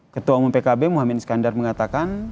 ketua umum pkb mohamad iskandar mengatakan